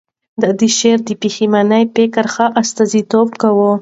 د ده شعر د پښتني فکر ښه استازیتوب کوي.